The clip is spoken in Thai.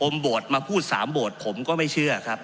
โบสถมาพูด๓โบสถ์ผมก็ไม่เชื่อครับ